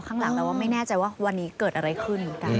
ข้างหลังแปลว่าไม่แน่ใจว่าวันนี้เกิดอะไรขึ้น